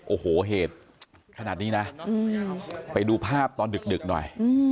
โอ้โหเหตุขนาดนี้นะไปดูภาพตอนดึกหน่อย